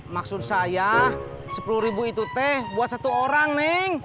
maksud saya sepuluh ribu itu teh buat satu orang nih